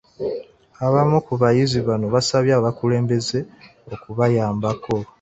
Abamu ku bayizi bano basabye abakulembeze okubayambako.